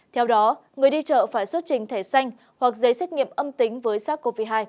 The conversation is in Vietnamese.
theo đó người đi chợ phải xuất trình thẻ xanh hoặc giấy xét nghiệm âm tính với sars cov hai